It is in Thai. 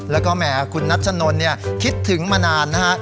แล้วก็แหมคุณนัชนนคิดถึงมานานนะฮะ